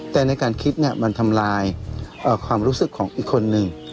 แต่ในการคิดมันทำลายความรู้สึกของอีกคนนึง